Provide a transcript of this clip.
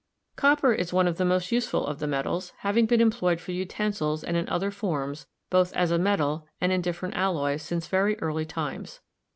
Copper is one of the most useful of the metals, having been employed for utensils and in other forms, both as a metal and in different alloys, since very early times.